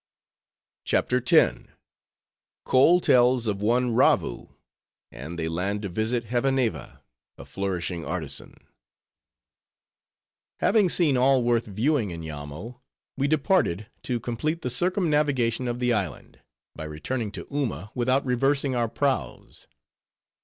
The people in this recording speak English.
CHAPTER X. Mohi Tells Of One Ravoo, And They Land To Visit Hevaneva, A Flourishing Artisan Having seen all worth viewing in Yammo, we departed, to complete the circumnavigation of the island, by returning to Uma without reversing our prows.